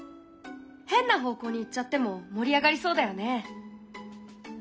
変な方向に行っちゃっても盛り上がりそうだよね。